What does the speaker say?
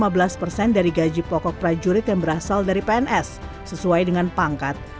mereka juga mendapatkan gaji pokok prajurit yang berasal dari pns sesuai dengan pangkat